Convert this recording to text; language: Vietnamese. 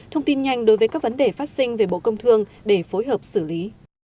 thông tin nhanh đối với các vấn đề phát sinh về bộ công thương để phối hợp xử lý